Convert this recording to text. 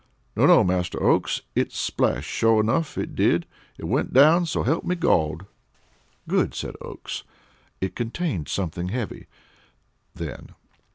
"No, no, Master Oakes; it splashed, sure enough it did. It went down so help me Gawd!" "Good!" said Oakes. "It contained something heavy, then.